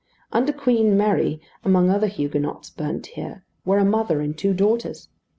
Under Queen Mary, among other Huguenots burnt here, were a mother and two daughters.